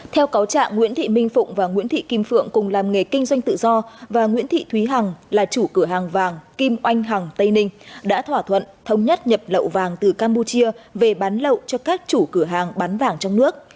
theo cáo trạng nguyễn thị minh phụng và nguyễn thị kim phượng cùng làm nghề kinh doanh tự do và nguyễn thị thúy hằng là chủ cửa hàng vàng kim oanh hằng tây ninh đã thỏa thuận thống nhất nhập lậu vàng từ campuchia về bán lậu cho các chủ cửa hàng bán vàng trong nước